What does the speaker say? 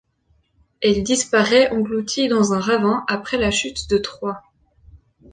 Elle disparaît engloutie dans un ravin après la chute de Troie.